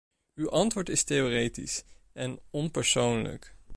Uw antwoord is theoretisch en onpersoonlijk.